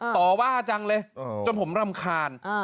ต่อว่าจังเลยจนผมรำคาญ